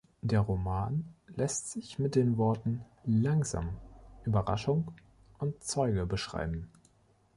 Der Roman lässt sich mit den Worten Langsam, Überraschung und Zeuge beschreiben.